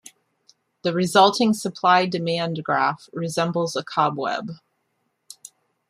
The resulting supply-demand graph resembles a cobweb.